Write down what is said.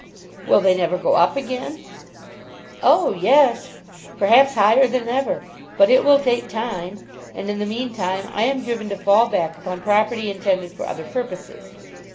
"Will they never go up again?" "Oh yes; perhaps higher than ever. But it will take time. And in the meantime I am driven to fall back upon property intended for other purposes.